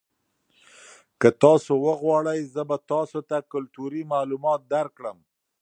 که تاسي وغواړئ زه به تاسو ته کلتوري معلومات درکړم.